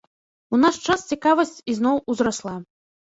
У наш час цікаваць ізноў узрасла.